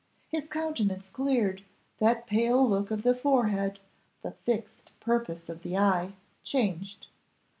His countenance cleared; that pale look of the forehead, the fixed purpose of the eye, changed.